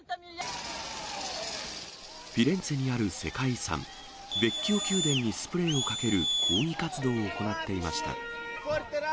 フィレンツェにある世界遺産、ヴェッキオ宮殿にスプレーをかける抗議活動を行っていました。